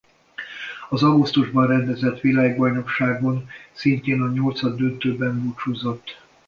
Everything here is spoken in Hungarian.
Az augusztusban rendezett világbajnokságon szintén a nyolcaddöntőben búcsúzott.